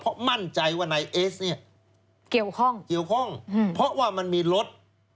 เพราะมั่นใจว่าในเอสเกี่ยวข้องเพราะว่ามันมีรถ